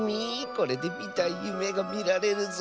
これでみたいゆめがみられるぞ。